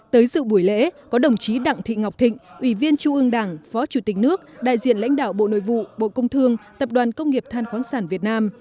tới dự buổi lễ có đồng chí đặng thị ngọc thịnh ủy viên trung ương đảng phó chủ tịch nước đại diện lãnh đạo bộ nội vụ bộ công thương tập đoàn công nghiệp than khoáng sản việt nam